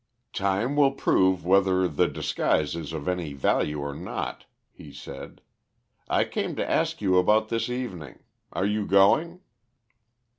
"Time will prove whether the disguise is of any value or not," he said. "I came to ask you about this evening. Are you going?"